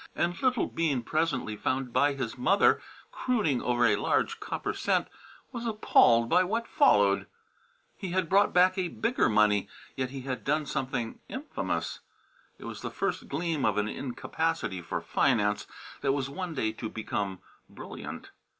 And little Bean, presently found by his mother crooning over a large copper cent, was appalled by what followed. He had brought back "a bigger money," yet he had done something infamous. It was the first gleam of an incapacity for finance that was one day to become brilliant.